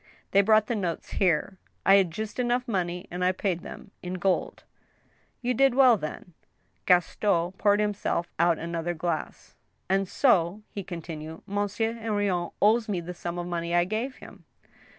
They brought the notes here. I had just enough money, and I paid them, in gold." "You did well, then." Gaston poured himself out another glass. " And so," he continued, " Monsieur Henrion owes me the sum of money I gave him